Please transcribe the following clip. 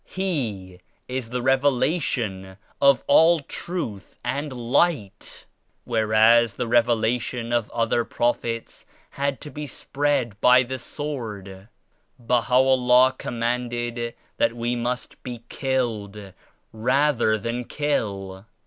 He is the Revela tion of all Truth and Light. Whereas the Rev elation of other Prophets had to be spread by the sword, Baha'u'llaH commanded that we *must be killed rather than kill.'